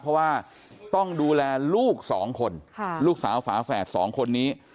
เพราะว่าต้องดูแลลูกสองคนลูกสาวฝาแฝดสองคนนี้